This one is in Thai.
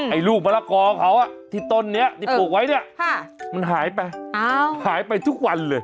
ไอ้ลูกมะละกอเขาที่ต้นนี้ที่ปลูกไว้เนี่ยมันหายไปหายไปทุกวันเลย